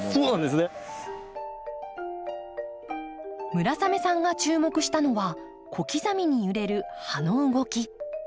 村雨さんが注目したのは小刻みに揺れる葉の動き。